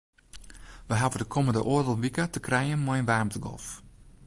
Wy hawwe de kommende oardel wike te krijen mei in waarmtegolf.